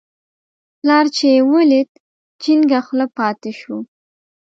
پلار چې یې ولید، جینګه خوله پاتې شو.